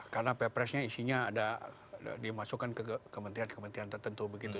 karena perpresnya isinya dimasukkan ke kementerian kementerian tertentu